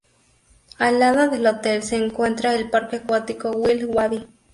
Al lado del hotel se encuentra el parque acuático Wild Wadi.